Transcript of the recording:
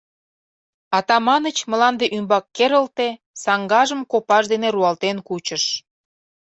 Атаманыч мланде ӱмбак керылте, саҥгажым копаж дене руалтен кучыш...